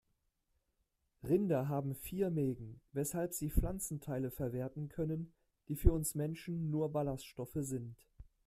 Rinder haben vier Mägen, weshalb sie Pflanzenteile verwerten können, die für uns Menschen nur Ballaststoffe sind.